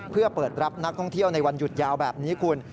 เพื่อเปิดรับนักท่องเที่ยวในวันหยุดยาวแบบนี้คุณ